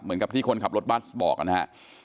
เหมือนกับที่คนขับรถบัสบอกนะครับ